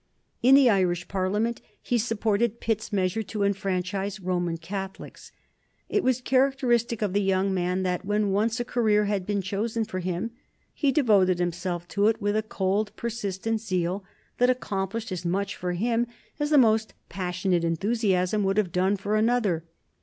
In the Irish Parliament he supported Pitt's measure to enfranchise Roman Catholics. It was characteristic of the young man that, when once a career had been chosen for him, he devoted himself to it with a cold, persistent zeal that accomplished as much for him as the most passionate enthusiasm would have done for another.